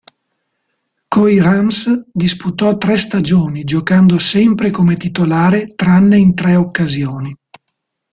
Coi Rams disputò tre stagioni giocando sempre come titolare tranne in tre occasioni.